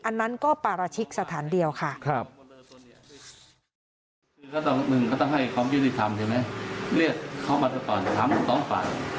อันนั้นก็ปราชิกสถานเดียวค่ะ